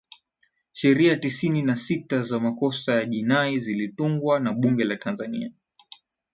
sheria tisini na sita za makosa ya jinai zilitungwa na bunge la tanzania